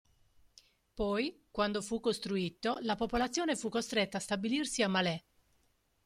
Poi, quando fu costruito, la popolazione fu costretta a stabilirsi a Malé.